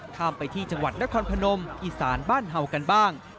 ข้ามไปที่จังหวัดนครพนมอีสานบ้านเห่ากันบ้าง